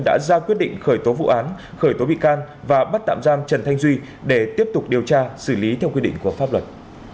đã ra quyết định khởi tố vụ án khởi tố bị can và bắt tạm giam trần thanh duy để tiếp tục điều tra xử lý theo quy định của pháp luật